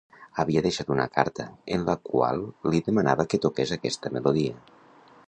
Havia deixat una carta en la qual li demanava que toqués aquesta melodia.